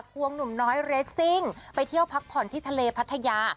วงหนุ่มน้อยเรสซิ่งไปเที่ยวพักผ่อนที่ทะเลพัทยา